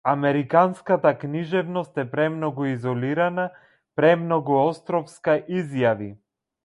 Американската книжевност е премногу изолирана, премногу островска, изјави.